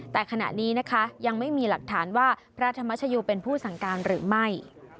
แต่ขณะนี้นะคะยังไม่มีหลักฐานว่าพระธรรมชโยเป็นผู้สั่งการหรือไม่